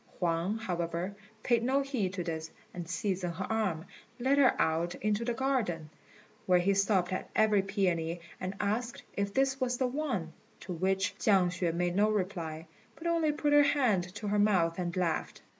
Huang, however, paid no heed to this, and seizing her arm, led her out into the garden, where he stopped at every peony and asked if this was the one; to which Chiang hsüeh made no reply, but only put her hand to her mouth and laughed.